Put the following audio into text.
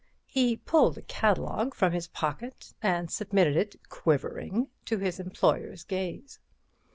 He pulled a catalogue from his pocket, and submitted it, quivering, to his employer's gaze.